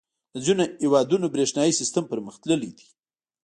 • د ځینو هېوادونو برېښنايي سیسټم پرمختللی دی.